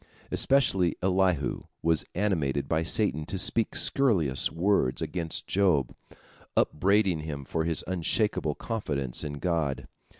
Especially Elihu was animated by Satan to speak scurrilous words against Job, upbraiding him for his unshakable confidence in God.